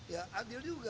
ya adil juga